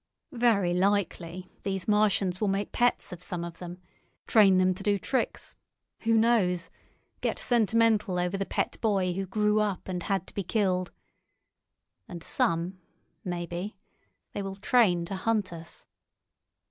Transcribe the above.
"Very likely these Martians will make pets of some of them; train them to do tricks—who knows?—get sentimental over the pet boy who grew up and had to be killed. And some, maybe, they will train to hunt us."